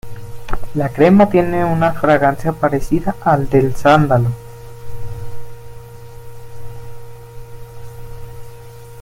La crema tiene una fragancia parecida al del sándalo.